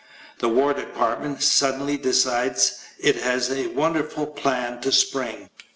The War Department suddenly decides it has a wonderful plan to spring.